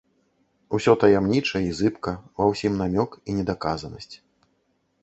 Усё таямніча і зыбка, ва ўсім намёк і недаказанасць.